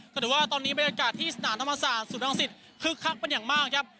ก็ดูว่าตอนนี้บรรยากาศที่สนานธรรมศาสตร์สูตรทางศิษย์คึกคักเป็นอย่างม่าครับ